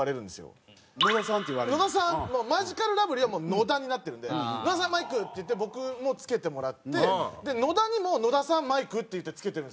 マヂカルラブリーはもう野田になってるんで「野田さんマイク」って言って僕も着けてもらって野田にも「野田さんマイク」って言って着けてるんですよ。